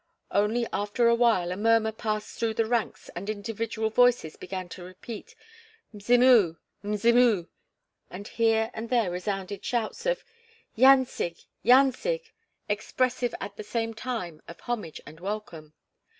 Only after a while a murmur passed through the ranks and individual voices began to repeat "Mzimu! Mzimu!" and here and there resounded shouts of "Yancig! Yancig!" expressive at the same time of homage and welcome.